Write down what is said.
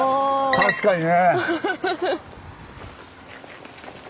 確かにね！